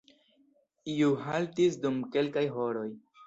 Iu haltis dum kelkaj horoj.